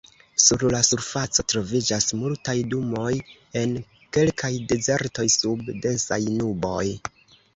Sur la surfaco troviĝas multaj dunoj en kelkaj dezertoj sub densaj nuboj.